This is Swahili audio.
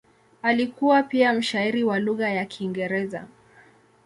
Alikuwa pia mshairi wa lugha ya Kiingereza.